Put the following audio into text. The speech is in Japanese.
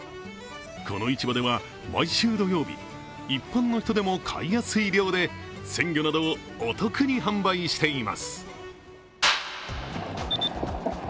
この市場では毎週土曜日、一般の人でも買いやすい量で鮮魚などをお得に販売しています。